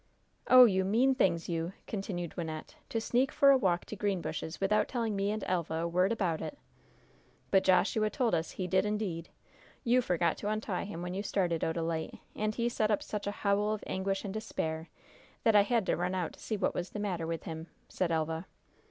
"Oh, you mean things, you!" continued Wynnette, "to sneak for a walk to Greenbushes, without telling me and Elva a word about it!" "But Joshua told us he did, indeed! You forgot to untie him when you started, Odalite, and he set up such a howl of anguish and despair that I had to run out to see what was the matter with him," said Elva.